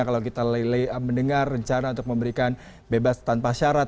kalau kita mendengar rencana untuk memberikan bebas tanpa syarat